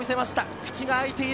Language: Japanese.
口が開いている。